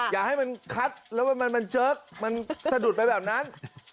อย่าให้มันคัดแล้วมันเจิ๊กมันสะดุดไปแบบนั้น